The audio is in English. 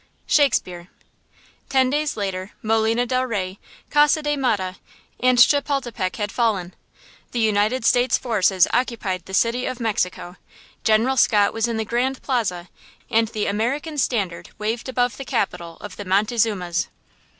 –SHAKESPEARE. TEN days later, Molina del Rey, Casa de Mata, and Chapultepec had fallen! The United States forces occupied the city of Mexico, General Scott was in the Grand Plaza, and the American standard waved above the capital of the Montezumas!